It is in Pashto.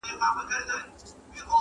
قافلې به د اغیارو پر پېچومو نیمه خوا سي،